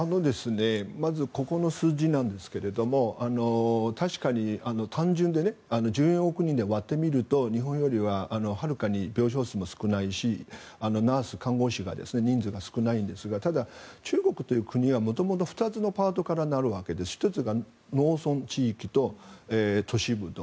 まずここの数字なんですが確かに単純で１４億人で割って見ると日本よりははるかに病床数も少ないしナース、看護師の人数が少ないんですがただ、中国という国は元々２つのパートから成るわけで１つが農村地域と都市部と。